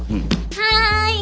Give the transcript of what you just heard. はい！